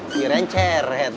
kamu kerana senyum